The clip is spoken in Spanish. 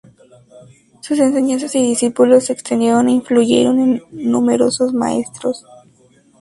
Sus enseñanzas y discípulos se extendieron e influyeron en numerosos maestros.